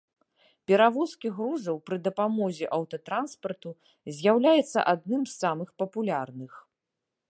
Перавозкі грузаў пры дапамозе аўтатранспарту з'яўляецца адным з самых папулярных.